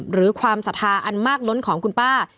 หรือความศรัทธาอันมากล้นของคุณป้า